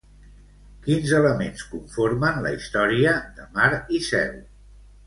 Quins elements conformen la història de Mar i cel?